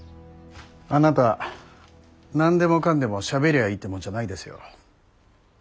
あなた何でもかんでもしゃべりゃいいってもんじゃないですよ。